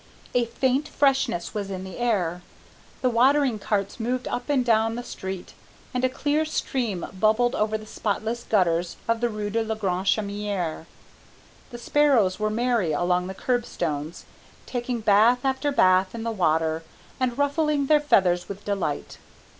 A faint freshness was in the air. The watering carts moved up and down the street, and a clear stream bubbled over the spotless gutters of the rue de la Grande Chaumière. The sparrows were merry along the curb stones, taking bath after bath in the water and ruffling their feathers with delight.